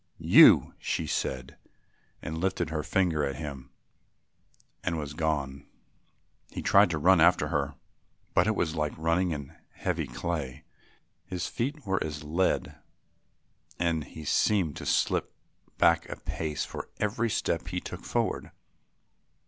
"You," she said, and lifted her finger at him and was gone. He tried to run after her, but it was like running in heavy clay; his feet were as lead and he seemed to slip back a pace for every step he took forward.